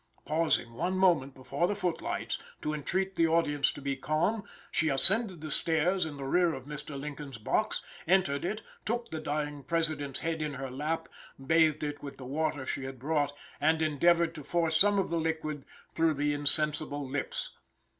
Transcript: Pausing one moment before the footlights to entreat the audience to be calm, she ascended the stairs in the rear of Mr. Lincoln's box, entered it, took the dying President's head in her lap, bathed it with the water she had brought, and endeavoured to force some of the liquid through the insensible lips.